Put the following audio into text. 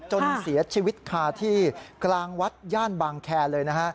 จนเสียชีวิตคาที่กลางวัดย่านบางแคร์เลยนะฮะ